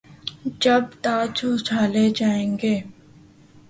جب تاج اچھالے جائیں گے۔